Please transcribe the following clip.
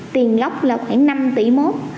tiền góc là khoảng năm tỷ mốt